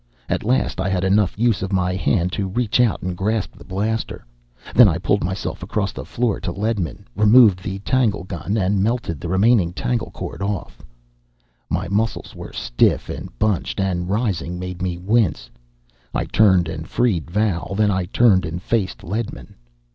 At last I had enough use of my hand to reach out and grasp the blaster. Then I pulled myself across the floor to Ledman, removed the tanglegun, and melted the remaining tangle cord off. My muscles were stiff and bunched, and rising made me wince. I turned and freed Val. Then I turned and faced Ledman.